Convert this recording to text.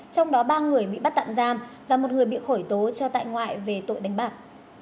trong đó ba người bị bắt tạm giam và một người bị khởi tố cho tại ngoại về tội đánh bạc